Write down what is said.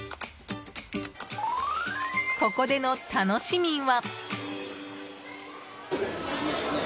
ここでの楽しみは。